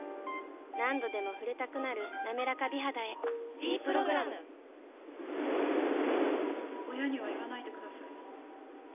何度でも触れたくなる「なめらか美肌」へ「ｄプログラム」親には言わないでください。